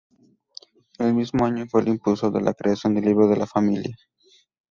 El mismo año fue el impulsor de la creación del libro de familia.